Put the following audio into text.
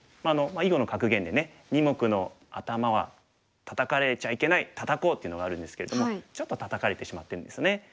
囲碁の格言でね二目のアタマはタタかれちゃいけないタタこうっていうのがあるんですけれどもちょっとタタかれてしまってるんですよね。